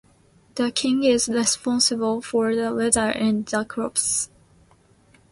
The king is responsible for the weather and the crops.